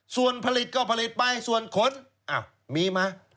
ส่วนผลิตก็ผลิตไปส่วนขนอ้าวมีมั้ย